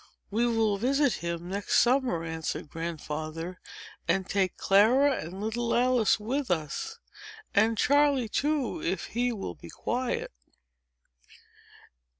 "We will visit him next summer," answered Grandfather, "and take Clara and little Alice with us—and Charley, too, if he will be quiet."